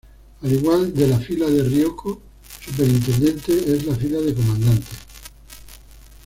El igual de la fila de Ryoko superintendente es la fila de comandante.